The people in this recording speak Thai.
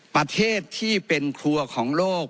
ประเทศที่เป็นครัวของโลก